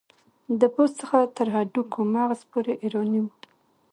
د پوست څخه تر هډوکو مغز پورې ایرانی و.